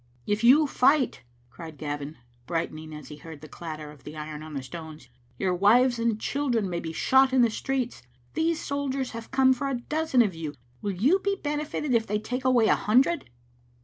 "If you fight," cried Gavin, brightening as he heard the clatter of the iron on the stones, " your wives and children may be shot in the streets. These soldiers have come for a dozen of you ; will you be benefited if they take away a hundred?"